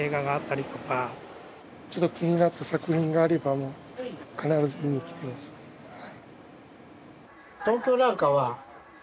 ちょっと気になった作品があれば必ず見に来てますね。